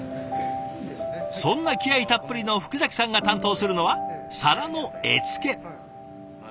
そんな気合いたっぷりの福崎さんが担当するのは皿の絵付け。